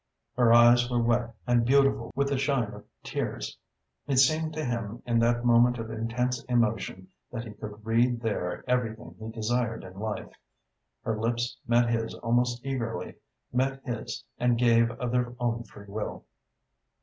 Her eyes were wet and beautiful with the shine of tears. It seemed to him in that moment of intense emotion that he could read there everything he desired in life. Her lips met his almost eagerly, met his and gave of their own free will.